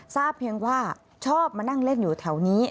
ทราบเพียงว่าชอบมานั่งเล่นอยู่แถวนี้